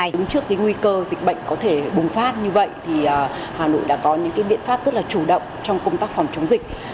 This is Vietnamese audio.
đứng trước nguy cơ dịch bệnh có thể bùng phát như vậy thì hà nội đã có những biện pháp rất là chủ động trong công tác phòng chống dịch